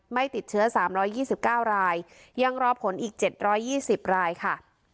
ไม่ติดเชื้อสามร้อยยี่สิบเก้ารายยังรอผลอีกเจ็ดร้อยยี่สิบรายค่ะ